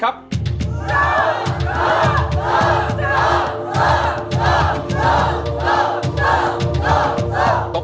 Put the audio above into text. กลับมาเมื่อเวลาที่สุดท้าย